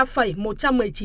và thoái dự thu